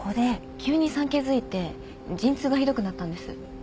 急に産気づいて陣痛がひどくなったんです。